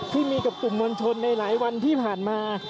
ที่มีกับกลุ่มมวลชนในหลายวันที่ผ่านมา